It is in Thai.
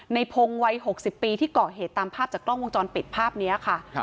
ในพงศ์วัย๖๐ปีที่เกาะเหตุตามภาพจากกล้องวงจรปิดภาพนี้ค่ะ